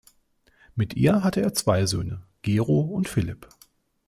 Mit ihr hatte er zwei Söhne, Gero und Philipp.